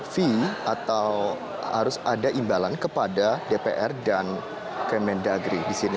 fee atau harus ada imbalan kepada dpr dan kemendagri di sini